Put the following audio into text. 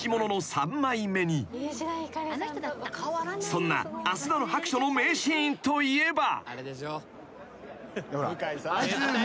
［そんな『あすなろ白書』の名シーンといえば］